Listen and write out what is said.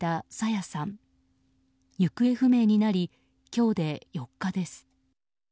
行方不明になり、今日で４日です。